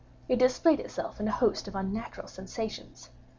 It displayed itself in a host of unnatural sensations.